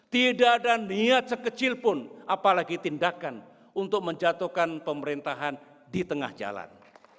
tidak ada niat sekecil pun apalagi tindakan untuk menjatuhkan pemerintahan di tengah jalan